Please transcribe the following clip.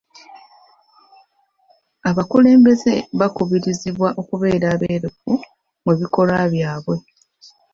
Abakulembeze bakubirizibwa okubeera abeerufu mu bikolwa byabwe.